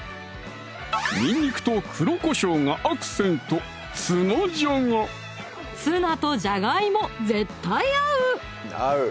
にんにくと黒こしょうがアクセントツナとじゃがいも絶対合う！